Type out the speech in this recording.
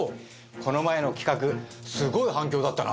この前の企画すごい反響だったな。